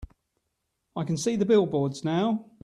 I can see the billboards now.